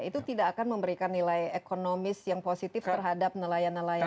itu tidak akan memberikan nilai ekonomis yang positif terhadap nelayan nelayan